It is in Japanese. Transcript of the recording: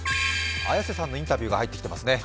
綾瀬さんのインタビューが入ってきていますね。